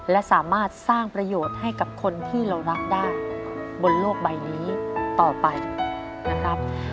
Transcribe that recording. และสามารถสร้างประโยชน์ให้กับคนที่เรารักได้บนโลกใบนี้ต่อไปนะครับ